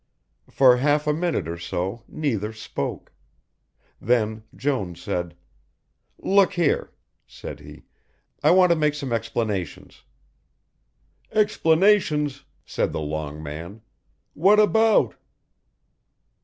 For half a minute or so neither spoke. Then Jones said: "Look here," said he, "I want to make some explanations." "Explanations," said the long man, "what about?"